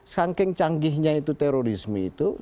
saking canggihnya itu terorisme itu